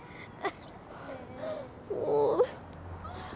もう。